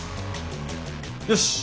よし！